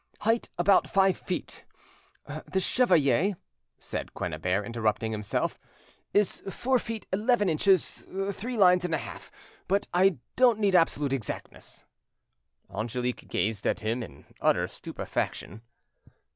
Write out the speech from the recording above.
"'Height about five feet.' The chevalier," said Quennebert, interrupting himself, "is four feet eleven inches three lines and a half, but I don't need absolute exactness." Angelique gazed at him in utter stupefaction.